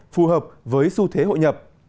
phù hợp với xu thế hội nhập